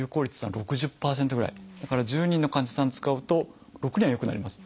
だから１０人の患者さんに使うと６人は良くなります。